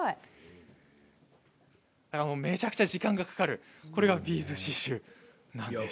めちゃくちゃ時間がかかるこれがビーズ刺しゅうなんです。